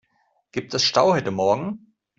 Gibt es Stau heute morgen?